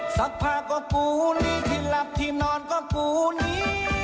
สักพักก็กูนี่ที่หลับที่นอนก็กูนี้